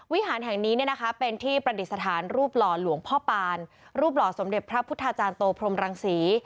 วิหารแห่งนี้เป็นที่ประดิษฐานรูปหล่อหลวงพ่อปานรูปหล่อสมเด็จพระพุทธาจารย์โตพรมรังศรี